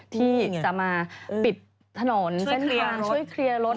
ที่จะมาปิดถนนเส้นทางช่วยเคลียร์รถ